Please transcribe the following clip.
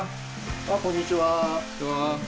あっこんにちは。